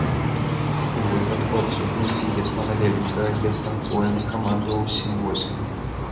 У выпадку адсутнасці гетмана вялікага, гетман польны камандаваў усім войскам.